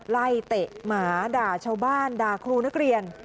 เตะหมาด่าชาวบ้านด่าครูนักเรียน